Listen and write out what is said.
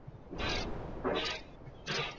ভাবিনি, এরকম একটা কিছু আক্রমণ করবে!